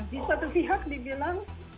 di satu pihak dibilang